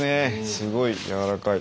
すごい柔らかい。